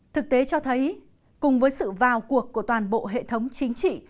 thực tế cho thấy cùng với sự vào cuộc của toàn bộ hệ thống chính trị